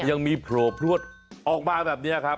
ยังมีโผล่พลวดออกมาแบบนี้ครับ